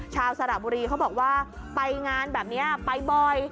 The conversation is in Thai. สระบุรีเขาบอกว่าไปงานแบบนี้ไปบ่อย